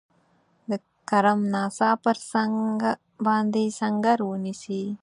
د کرم ناسا پر څنګ باندي سنګر ونیسي.